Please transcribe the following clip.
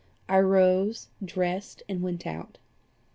I rose, dressed, and went out.